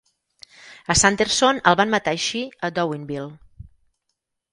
A Sanderson el van matar així a Douinville.